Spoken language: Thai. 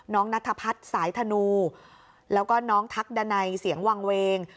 นัทพัฒน์สายธนูแล้วก็น้องทักดันัยเสียงวังเวง